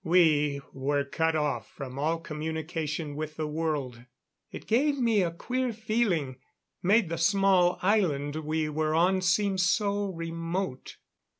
We were cut off from all communication with the world. It gave me a queer feeling made the small island we were on seem so remote.